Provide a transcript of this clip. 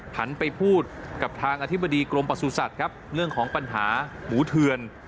หันไปพูดกับทางอธิบดีกรมประสุทธิ์ครับเรื่องของปัญหาหมูเทือน